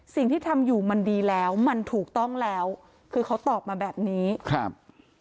สิ่งที่ทำอยู่มันดีแล้วมันถูกต้องแล้วคือเขาตอบมาแบบนี้ครับ